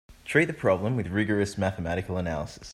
Treat the problem with rigorous mathematical analysis.